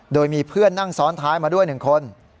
โดยมีเพื่อนนั่งซ้อนท้ายมาด้วย๑คน